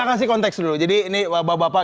kasih konteks dulu jadi ini bapak bapak